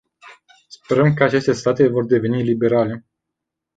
Sperăm că aceste state vor deveni liberale.